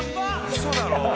ウソだろ？